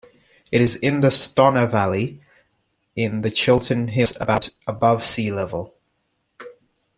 It is in the Stonor valley in the Chiltern Hills about above sea level.